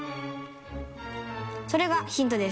それがヒントです。